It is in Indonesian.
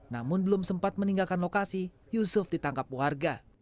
namun belum sempat meninggalkan lokasi yusuf ditangkap warga